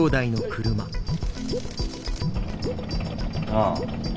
ああ。